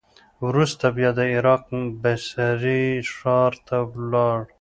وروسته بیا د عراق بصرې ښار ته ولاړ.